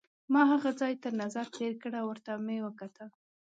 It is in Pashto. ما هغه ځای تر نظر تېر کړ او ورته مې وکتل.